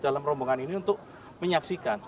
dalam rombongan ini untuk menyaksikan